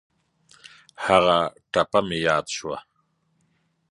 هغه ټپه مې یاد شوه.